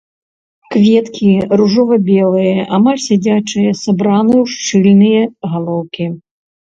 Кветкі ружова-белыя, амаль сядзячыя, сабраны ў шчыльныя галоўкі.